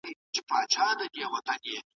سبا به څېړونکي په لابراتوار کي کار کوي.